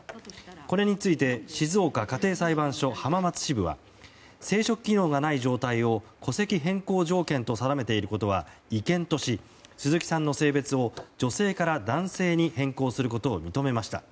これについて静岡家庭裁判所浜松支部は生殖機能がない状態を戸籍変更条件と定めていることは違憲とし、鈴木さんの性別を女性から男性に変更することを認めました。